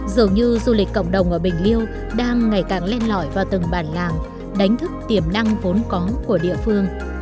dường như du lịch cộng đồng ở bình liêu đang ngày càng len lõi vào từng bản làng đánh thức tiềm năng vốn có của địa phương